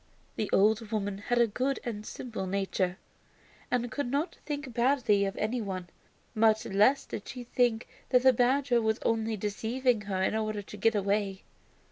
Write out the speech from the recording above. The old woman had a good and simple nature, and could not think badly of any one. Much less did she think that the badger was only deceiving her in order to get away.